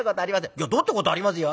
「いやどうってことありますよ」。